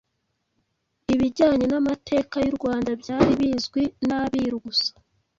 ibijyanye n’amateka y’u Rwanda byari bizwi n’Abiru gusa.